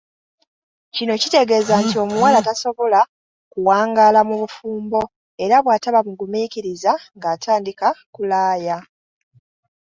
Kino kitegeeza nti omuwala tasobola kuwangaala mu bufumbo era bw’ataba mugumiikiriza ng’atandika kulaaya.